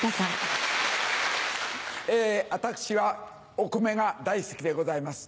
私はお米が大好きでございます。